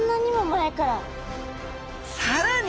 さらに！